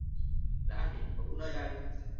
Đã hiện hữu nơi đây.